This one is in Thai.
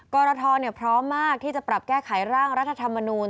กรทพร้อมมากที่จะปรับแก้ไขร่างรัฐธรรมนูล